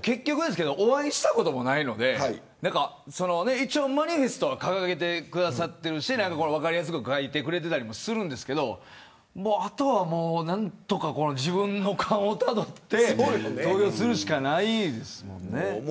結局、お会いしたことないので一応、マニフェストは掲げてくださっているし分かりやすく書いていたりするんですけどあとは何とか自分の勘を頼って投票するしかないですもんね。